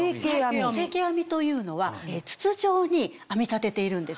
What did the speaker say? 成型編みというのは筒状に編み立てているんです。